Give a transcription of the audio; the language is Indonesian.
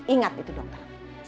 ingat itu dokter